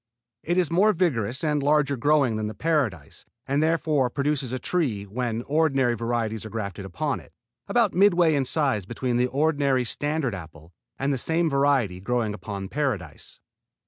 It is more vigorous and larger growing than the Paradise, and, therefore, produces a tree, when ordinary varieties are grafted upon it, about midway in size between the ordinary standard apple and the same variety growing upon Paradise.